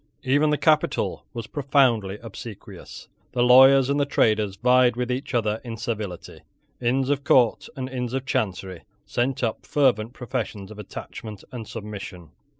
Even the capital was profoundly obsequious. The lawyers and the traders vied with each other in servility. Inns of Court and Inns of Chancery sent up fervent professions of attachment and submission.